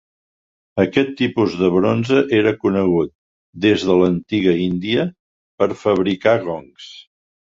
Aquest tipus de bronze era conegut des de l'antiga Índia per a fabricar gongs.